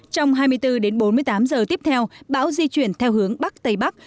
trong hai mươi bốn đến bốn mươi tám giờ tiếp theo bão di chuyển theo hướng bắc tây bắc